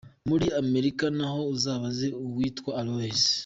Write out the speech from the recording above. Muri America naho azabaze uwitwa Aloys.